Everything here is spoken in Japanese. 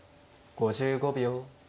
５５秒。